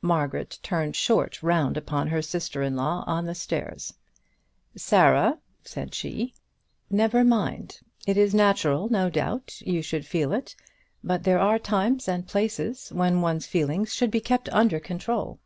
Margaret turned short round upon her sister in law on the stairs. "Sarah," said she, and then she stopped herself. "Never mind; it is natural, no doubt, you should feel it; but there are times and places when one's feelings should be kept under control."